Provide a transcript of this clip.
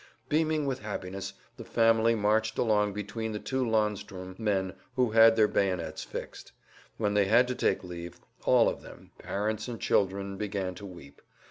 Beaming with happiness the family marched along between the two landsturm men who had their bayonets fixed. When they had to take leave, all of them, parents and children began to weep.